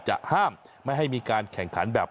ห้ามไม่ให้มีการแข่งขันแบบ